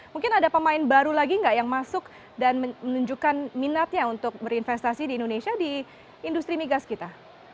mungkin ada pemain baru lagi nggak yang masuk dan menunjukkan minatnya untuk berinvestasi di indonesia di industri migas kita